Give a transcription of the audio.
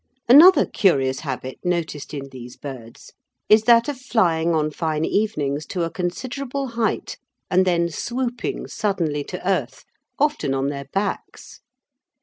Another curious habit noticed in these birds is that of flying on fine evenings to a considerable height and then swooping suddenly to earth, often on their backs.